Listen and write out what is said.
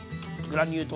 グラニュー。